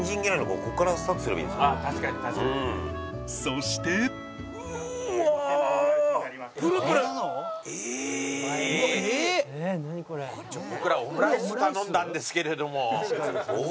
僕らオムライス頼んだんですけれども。